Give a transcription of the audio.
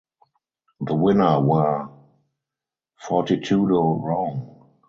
The winner were Fortitudo Rome.